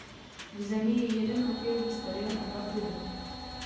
V zemi je jeden hokejový stadion a dva kluby.